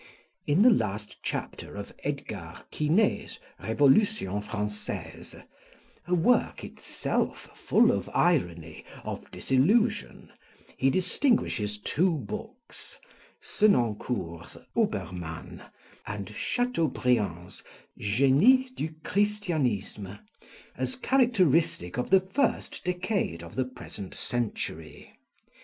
In the last chapter of Edgar Quinet's Revolution Française, a work itself full of irony, of disillusion, he distinguishes two books, Senancour's Obermann and Chateaubriand's Génie du Christianisme, as characteristic of the first decade of the present century.